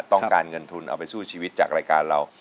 ต้องการเงินทุนเอาไปสู้ชีวิตจากรายการเรา